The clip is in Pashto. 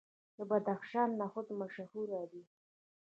د بدخشان نخود مشهور دي.